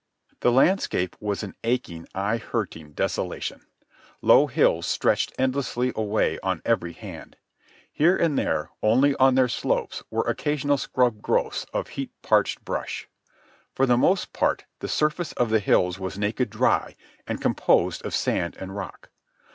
The landscape was an aching, eye hurting desolation. Low hills stretched endlessly away on every hand. Here and there only on their slopes were occasional scrub growths of heat parched brush. For the most part the surface of the hills was naked dry and composed of sand and rock.